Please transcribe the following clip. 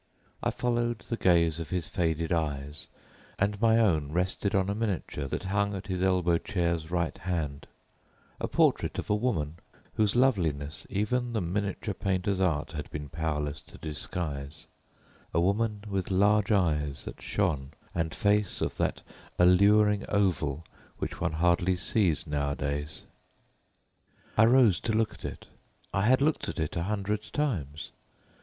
I followed the gaze of his faded eyes, and my own rested on a miniature that hung at his elbow chair's right hand, a portrait of a woman, whose loveliness even the miniature painter's art had been powerless to disguise—a woman with large lustrous eyes and perfect oval face. I rose to look at it. I had looked at it a hundred times.